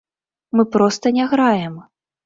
Мы проста не граем.